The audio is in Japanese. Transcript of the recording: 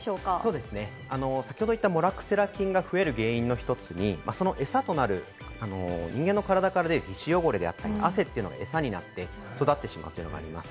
先ほど言ったモラクセラ菌が増える原因の一つに、そのエサとなる人間の体から出る皮脂汚れや、汗がエサとなって育ってしまうというのがあります。